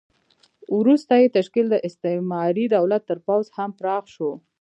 وروسته یې تشکیل د استعماري دولت تر پوځ هم پراخ شو.